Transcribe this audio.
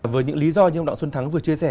với những lý do như ông đặng xuân thắng vừa chia sẻ